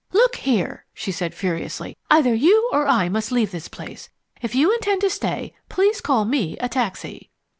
"Look here," she said furiously. "Either you or I must leave this place. If you intend to stay, please call me a taxi."